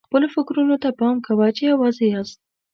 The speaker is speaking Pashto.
خپلو فکرونو ته پام کوه چې یوازې یاست.